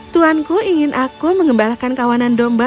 tuanku ingin aku mengembalakan kawanan domba